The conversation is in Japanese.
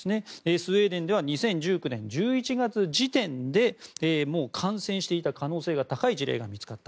スウェーデンでは２０１９年の１１月時点でもう感染していた可能性が高い事例が見つかった。